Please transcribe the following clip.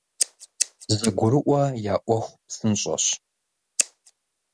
ЗэгурыӀуэ я Ӏуэху псынщӀэщ.